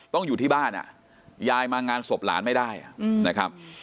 อยู่ที่บ้านยายมางานศพหลานไม่ได้นะครับ